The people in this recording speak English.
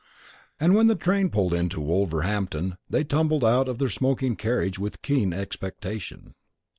And when the train pulled into Wolverhampton, they tumbled out of their smoking carriage with keen expectation.